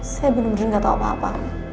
saya bener bener gak tau apa apa